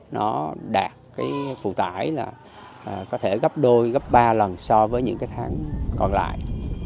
nó đạt phụ tải có thể gấp đôi gấp ba lần so với những tháng còn lại